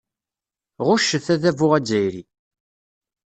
Ɣuccet adabu azzayri.